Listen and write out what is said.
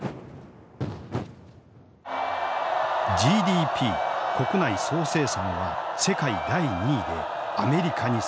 ＧＤＰ国内総生産は世界第２位でアメリカに迫る。